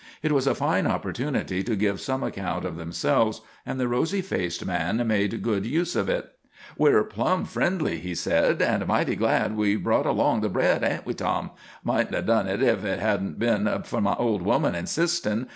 It was a fine opportunity to give some account of themselves, and the rosy faced man made good use of it. "We're plumb friendly," he said, "and mighty glad we brought along the bread, ain't we, Tom? Mightn't 'a' done hit if hit hadn't 'a' been for my old woman insistin'.